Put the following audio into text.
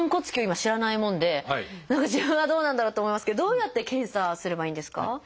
今知らないもんで自分はどうなんだろうって思いますけどどうやって検査すればいいんですか？